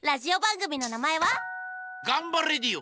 「ガンバレディオ」！